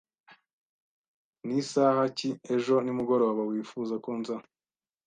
Nisaha ki ejo nimugoroba wifuza ko nza?